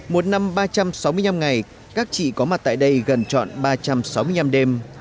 một năm ba trăm sáu mươi năm ngày các chị có mặt tại đây gần chọn ba trăm sáu mươi năm đêm